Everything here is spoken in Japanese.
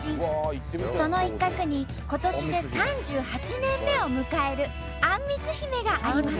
その一角に今年で３８年目を迎えるあんみつ姫があります。